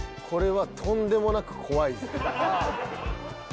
これはとんでもなく怖い。